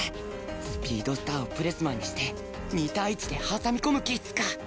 スピードスターをプレスマンにして２対１で挟み込む気っすか